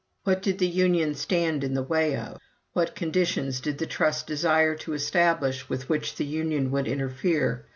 "What did the union stand in the way of? What conditions did the trust desire to establish with which the union would interfere?